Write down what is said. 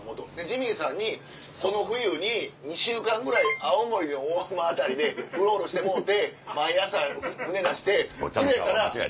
ジミーさんにその冬に２週間ぐらい青森で大間辺りでウロウロしてもろうて毎朝船出して釣れたら。